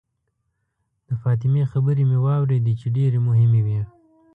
د فاطمې خبرې مې واورېدې چې ډېرې مهمې وې.